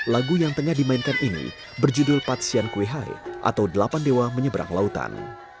lagu yang tengah dimainkan ini berjudul pat sian kui hai atau delapan dewa menyeberang lautan